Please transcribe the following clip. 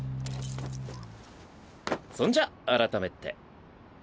そんじゃ改めて。